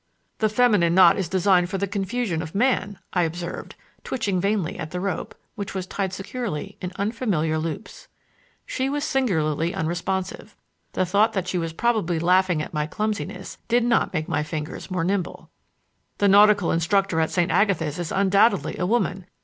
"The feminine knot is designed for the confusion of man," I observed, twitching vainly at the rope, which was tied securely in unfamiliar loops. She was singularly unresponsive. The thought that she was probably laughing at my clumsiness did not make my fingers more nimble. "The nautical instructor at St. Agatha's is undoubtedly a woman.